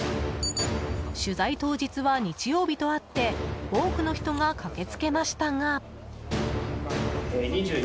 取材当日は日曜日とあって多くの人が駆けつけましたが。